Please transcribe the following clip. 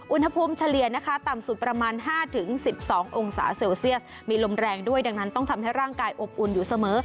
เฉลี่ยนะคะต่ำสุดประมาณ๕๑๒องศาเซลเซียสมีลมแรงด้วยดังนั้นต้องทำให้ร่างกายอบอุ่นอยู่เสมอ